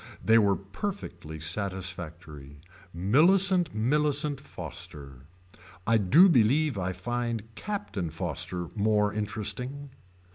They were perfectly satisfactory. Millicent Millicent Foster. I do believe I find Captain Foster more interesting.